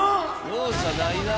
容赦ないな。